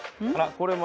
これも。